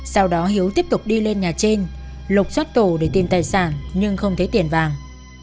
sau đó hiếu tiếp tục đi lên nhà trên lục xót tổ để tìm tài sản nhưng không thấy tiền vàng